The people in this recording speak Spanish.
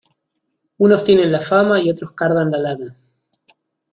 Unos tienen la fama y otros cardan la lana.